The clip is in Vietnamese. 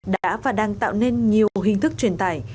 đã và đang tạo nên nhiều hình thức truyền tải